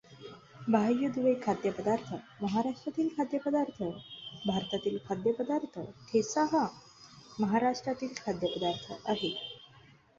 बाह्य दुवे खाद्यपदार्थ महाराष्ट्रातील खाद्यपदार्थ भारतातील खाद्यपदार्थ ठेचा हा महाराष्ट्रातील खाद्यपदार्थ आहे.